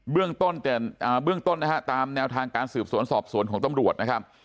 เบื้องต้นนะฮะตามแนวทางการสืบสวนสอบสวนของตำรวจนะครับ